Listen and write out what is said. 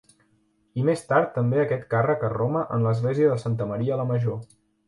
I més tard també aquest càrrec a Roma en l'església de Santa Maria la Major.